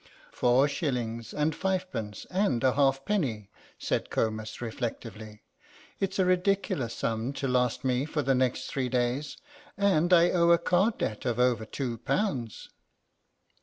"Four shillings and fivepence and a half penny," said Comus, reflectively. "It's a ridiculous sum to last me for the next three days, and I owe a card debt of over two pounds."